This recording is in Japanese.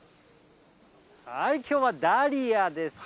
きょうはダリアです。